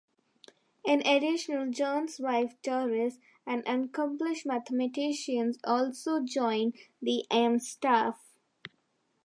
In addition, Jones' wife Doris, an accomplished mathematician, also joined the Ames staff.